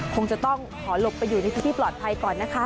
คงจะต้องขอหลบไปอยู่ในที่ปลอดภัยก่อนนะคะ